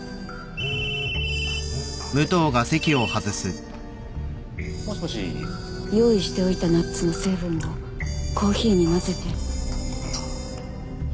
失礼もしもし用意しておいたナッツの成分をコーヒーに混ぜて。